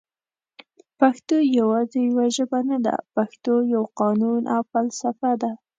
پښتو یواځي یوه ژبه نده پښتو یو قانون او فلسفه ده